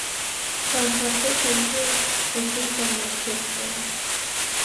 په خرقې شریفې کوڅې په مسجد کې وه.